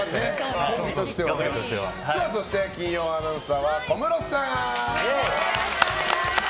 そして、金曜アナウンサーは小室さん！